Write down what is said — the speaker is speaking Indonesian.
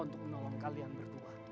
untuk menolong kalian berdua